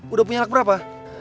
udah punya lak berapa